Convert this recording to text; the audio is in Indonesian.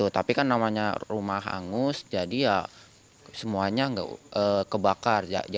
tapi kan namanya rumah hangus jadi ya semuanya kebakar